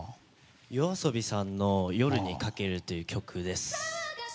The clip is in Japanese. ＹＯＡＳＯＢＩさんの「夜に駆ける」という曲です。